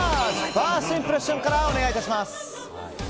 ファーストインプレッションからお願いします。